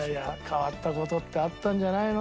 変わった事ってあったんじゃないの？